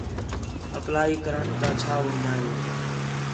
اپلائی کرݨ تا چھا وین٘دا ہِے